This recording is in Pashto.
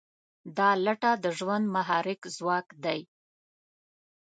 دا لټه د ژوند محرک ځواک دی.